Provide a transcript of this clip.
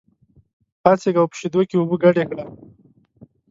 پاڅېږه او په شېدو کې اوبه ګډې کړه.